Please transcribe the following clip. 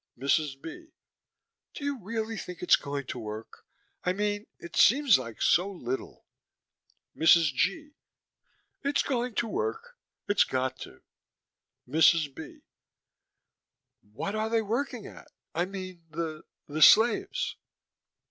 MRS. B.: Do you really think it's going to work? I mean, it seems like so little. MRS. G.: It's going to work. It's got to. MRS. B.: What are they working at? I mean the the slaves.